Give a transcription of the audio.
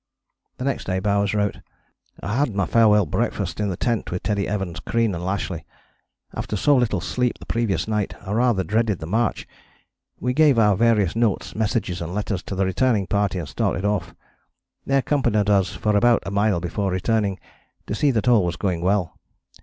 The next day Bowers wrote: "I had my farewell breakfast in the tent with Teddy Evans, Crean and Lashly. After so little sleep the previous night I rather dreaded the march. We gave our various notes, messages and letters to the returning party and started off. They accompanied us for about a mile before returning, to see that all was going well.